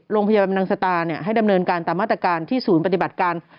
โรงพยาบาลนังสตาให้ดำเนินการตามมาตรการที่ศูนย์ปฏิบัติการ